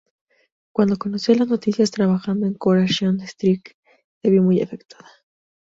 Cuando conoció las noticias, trabajando en "Coronation Street", se vio muy afectada.